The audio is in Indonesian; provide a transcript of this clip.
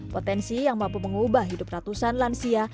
potensi yang mampu mengubah hidup ratusan lansia